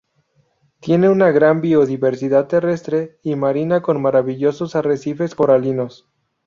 Tiene una gran biodiversidad terrestre y marina con maravillosos arrecifes coralinos.